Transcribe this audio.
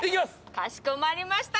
かしこまりました。